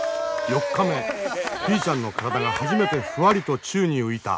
４日目ピーちゃんの体が初めてフワリと宙に浮いた。